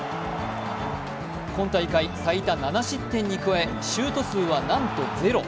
今大会最多７失点に加え、シュート数はなんとゼロ。